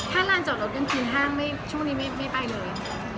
ถ้าลานจอดรถกลางคืนห้างช่วงนี้ไม่ไปเลย